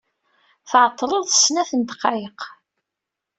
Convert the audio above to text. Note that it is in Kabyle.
Tɛeṭṭleḍ s snat n ddqayeq.